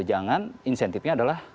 jangan insentifnya adalah